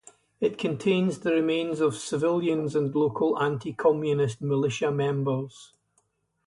It contains the remains of civilians and local anti-communist militia members.